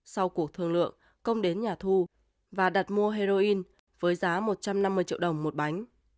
sau cuộc thương lượng công đến nhà thu và đặt mua heroin với giá một trăm năm mươi triệu đồng một bánh